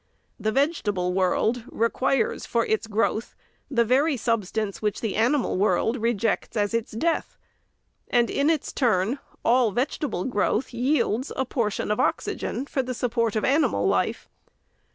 The vegetable world requires for its growth the very substance which the animal world rejects as its death ; and in its turn, all vegetable growth yields a por tion of oxygen for the support of animal life.